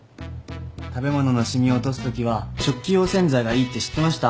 食べ物の染みを落とすときは食器用洗剤がいいって知ってました？